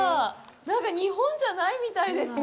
なんか日本じゃないみたいですね。